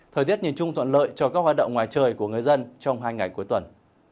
thời tiết nhìn chung thuận lợi cho các hoạt động ngoài trời của người dân trong hai ngày cuối tuần